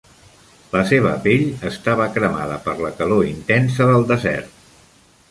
La seva pell estava cremada per la calor intensa del desert.